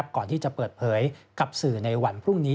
ก่อนที่จะเปิดเผยกับสื่อในวันพรุ่งนี้